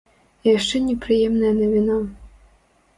І яшчэ непрыемная навіна.